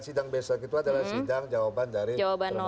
sidang besok itu adalah sidang jawaban dari termoh